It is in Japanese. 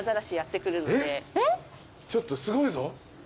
ちょっとすごいぞ。